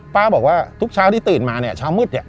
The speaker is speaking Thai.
บอกว่าทุกเช้าที่ตื่นมาเนี่ยเช้ามืดเนี่ย